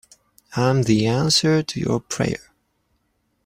I'm the answer to your prayer.